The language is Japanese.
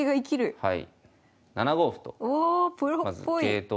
はい。